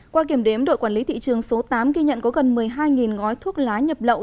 qua kiểm đếm đội quản lý thị trường số tám ghi nhận có gần một mươi hai gói thuốc lá nhập lậu